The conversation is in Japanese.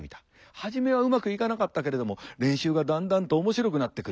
初めはうまくいかなかったけれども練習がだんだんと面白くなってくる。